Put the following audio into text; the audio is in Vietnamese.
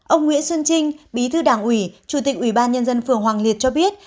ông nguyễn xuân trinh bí thư đảng ủy chủ tịch ủy ban nhân dân phường hoàng liệt cho biết